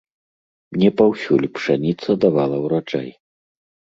Не паўсюль пшаніца давала ўраджай.